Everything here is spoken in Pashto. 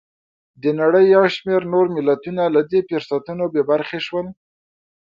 د نړۍ یو شمېر نور ملتونه له دې فرصتونو بې برخې شول.